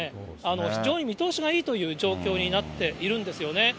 非常に見通しがいいという状況になっているんですよね。